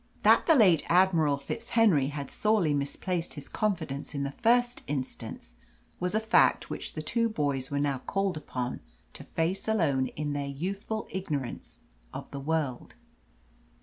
That the late Admiral FitzHenry had sorely misplaced his confidence in the first instance was a fact which the two boys were now called upon to face alone in their youthful ignorance of the world.